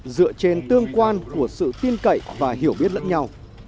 dựa trên tương quan của sự tin cậy và hiểu biết lẫn nhau